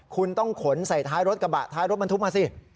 คุณต้องขนใส่ท้ายรถกระบะท้ายรถบรรทุกมาสิ